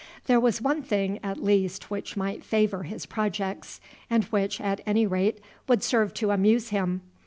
There was one thing at least which might favor his projects, and which, at any rate, would serve to amuse him.